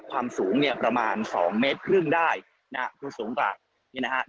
ความสูงประมาณ๒๕เมตรได้นะครับดูสูงกว่านี้นะครับ